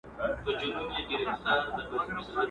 شمېریې ډېر دی تر همه واړو مرغانو!